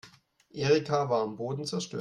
Erika war am Boden zerstört.